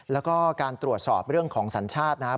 แล้วก็การตรวจสอบเรื่องของสัญชาตินะครับ